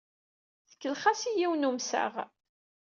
Tkellex-as i yiwen n wemsaɣ.